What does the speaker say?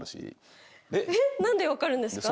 えっ何で分かるんですか？